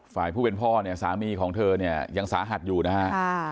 ฝ่ายผู้เป็นพ่อสามีของเธอยังสาหัสอยู่นะฮะ